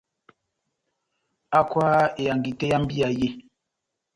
Hákwaha ehangi tɛ́h yá mbíya yé !